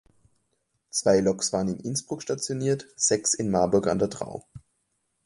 Zwei Loks waren in Innsbruck stationiert, sechs in Marburg an der Drau.